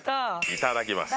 いただきます。